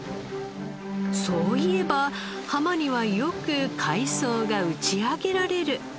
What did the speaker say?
そういえば浜にはよく海藻が打ち上げられる。